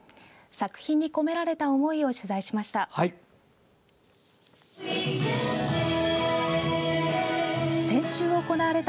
作品にこめられた思いを取材しました。